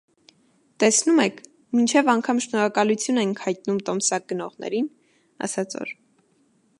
Տեսնո՞ւմ եք, մինչև անգամ շնորհակալություն ենք հայտնում տոմսակ գնողներին,- ասաց օր.